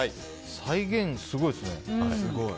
再現、すごいですね。